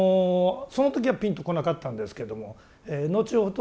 その時はぴんとこなかったんですけども後ほど